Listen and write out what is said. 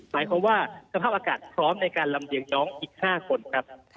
หมายความว่าสภาพอากาศพร้อมในการลำเลียงน้องอีก๕คนครับ